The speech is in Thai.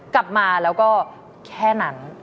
กลับมาแล้วก็แค่นั้น